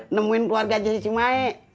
nemuin keluarga aja si cimae